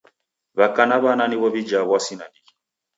W'aka na w'ana niw'o w'ijaa w'asi nandighi.